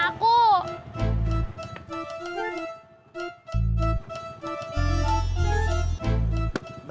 ya aku mau